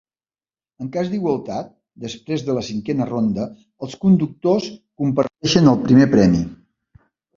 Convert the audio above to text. En cas d'igualtat després de la cinquena ronda, els conductors comparteixen el primer premi.